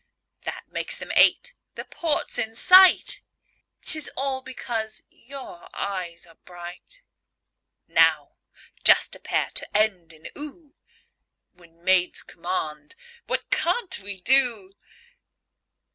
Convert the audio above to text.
That makes them eight. The port's in sight 'Tis all because your eyes are bright! Now just a pair to end in "oo" When maids command, what can't we do?